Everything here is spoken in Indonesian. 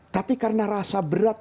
tapi karena rasa berat